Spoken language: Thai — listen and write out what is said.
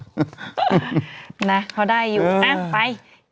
ไม่ได้หยอดมาเลยนะฮะอ้าวเรียกว่าเรียลริตี้ดีกว่าน้องชมพู่นะฮะ